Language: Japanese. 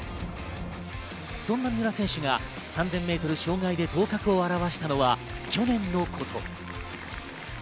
そんな三浦選手が３０００ｍ障害で頭角を現したのは去年のこと。